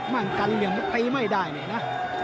มั่งกันเหลี่ยมตีไม่ได้นะ